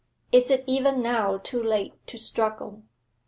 Is it even now too late to struggle?